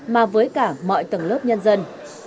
mà với cả mọi tầng lớp nhân dân